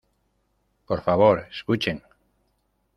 ¡ por favor! ¡ escuchen !